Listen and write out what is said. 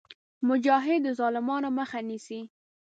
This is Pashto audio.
مجاهد د ظالمانو مخه نیسي.